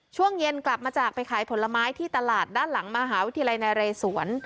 ช่วงเย็นกลับมาจากไปขายผลไม้ที่ตลาดด้านหลังมหาวิทยาลัยนาเรศวร